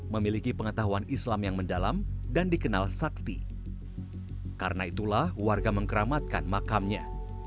memiliki pengetahuan islam yang mendalam dan dikenal sakti karena itulah warga mengkeramatkan makamnya